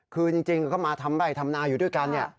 คือจริงก็มาทำไร่ทำนาอยู่ด้วยกันเนี่ย